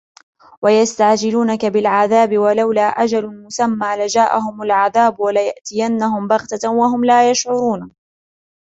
وَيَسْتَعْجِلُونَكَ بِالْعَذَابِ وَلَوْلَا أَجَلٌ مُسَمًّى لَجَاءَهُمُ الْعَذَابُ وَلَيَأْتِيَنَّهُمْ بَغْتَةً وَهُمْ لَا يَشْعُرُونَ